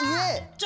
ちょ。